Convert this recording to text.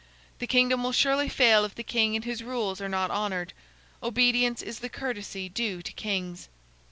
The kingdom will surely fail if the king and his rules are not honored. Obedience is the courtesy due to kings."